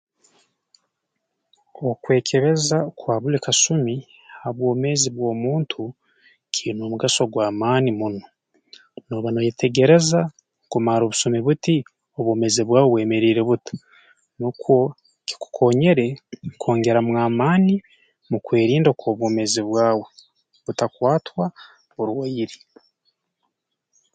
Okwekebeza kwa buli kasumi ha bwomeezi bw'omuntu kiine omugaso gw'amaani muno nooba nooyetegereza kumara obusumi buti obwomeezi bwawe bwemeriire buta nukwo kikukoonyere kukwongeramu amaani mu kwerinda kw'obwomeezi bwawe butakwatwa burwaire